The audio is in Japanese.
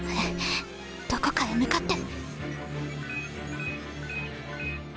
どこかへ向かって。